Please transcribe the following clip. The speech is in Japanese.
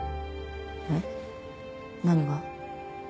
えっ？何が？